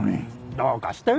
どうかしてるよ